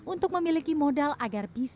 untuk memiliki modal agar bisa